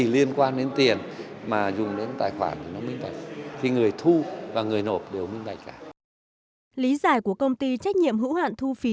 lý giải của công ty trách nhiệm hữu hạn thu phí